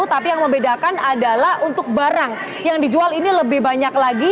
tapi yang membedakan adalah untuk barang yang dijual ini lebih banyak lagi